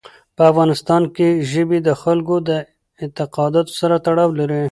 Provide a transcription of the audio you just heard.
په افغانستان کې ژبې د خلکو د اعتقاداتو سره تړاو لري.